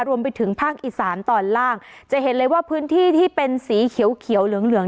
รวมไปถึงภาคอีสานตอนล่างจะเห็นเลยว่าพื้นที่ที่เป็นสีเขียวเขียวเหลืองเหลือง